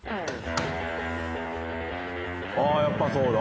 ああーやっぱそうだ。